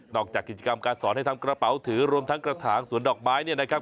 จากกิจกรรมการสอนให้ทำกระเป๋าถือรวมทั้งกระถางสวนดอกไม้เนี่ยนะครับ